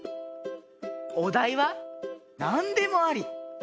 おだいはなんでもあり。